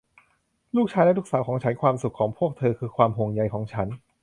ลูกชายและลูกสาวของฉัน ความสุขของพวกเธอคือความห่วงใยของฉัน